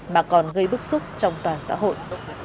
mà còn gây bức xúc trong toàn xã hội